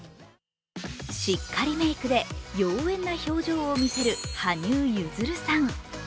しっかりメイクで妖艶な表情を見せる羽生結弦さん。